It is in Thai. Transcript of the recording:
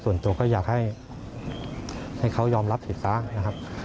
ส่วนตัวก็อยากให้เขายอมรับผิดซะนะครับ